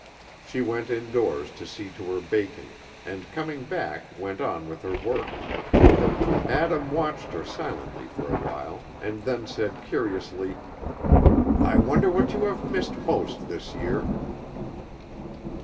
She went indoors to see to her baking, and coming back went on with her work. Adam watched her silently for awhile, and then said curiously, "I wonder what you have missed most this year?"